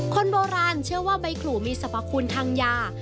คนโบราณเชื่อว่าใบขู่มีสรรพคุณทางยา